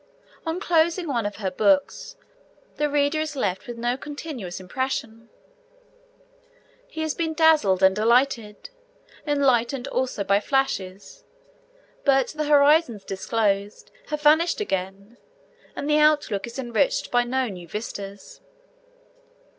On closing one of her books, the reader is left with no continuous impression. He has been dazzled and delighted, enlightened also by flashes; but the horizons disclosed have vanished again, and the outlook is enriched by no new vistas.